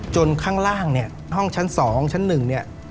จนข้างล่างเนี่ยห้องชั้นสองชั้นหนึ่งเนี่ย